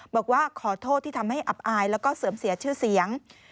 บอกว่าขอโทษที่ทำให้อับอายแล้วก็เสื่อมเสียชื่อเสียง